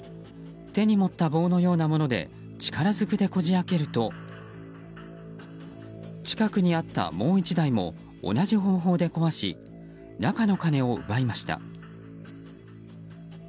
手に持った棒のようなもので力ずくでこじ開けると近くにあったもう１台も同じ方法で壊し中の金を奪いました。